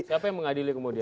siapa yang mengadili kemudian